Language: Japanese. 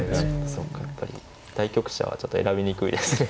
そうかやっぱり対局者はちょっと選びにくいですね。